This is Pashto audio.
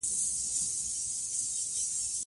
باسواده ښځې د سفارتونو په چارو کې کار کوي.